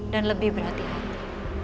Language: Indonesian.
dan lebih berhati hati